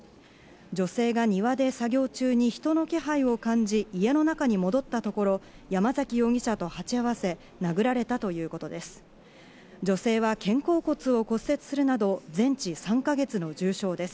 女性が庭で作業中に人の気配を感じ、家の中に戻ったところ、山崎容疑者と鉢合わせ殴られたということです。